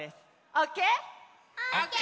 オッケー！